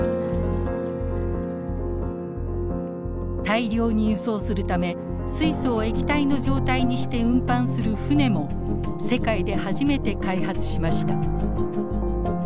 大量に輸送するため水素を液体の状態にして運搬する船も世界で初めて開発しました。